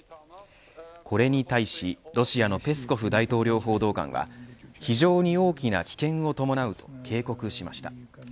これに対しロシアのペスコフ大統領報道官は非常に大きな危険を伴うと警告しました。